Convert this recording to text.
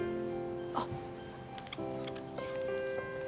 あっ。